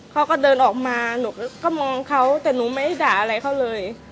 เขาก็เดินออกมาหนูก็มองเขาแต่หนูไม่ได้ด่าอะไรเขาเลย